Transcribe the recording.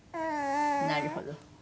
なるほど。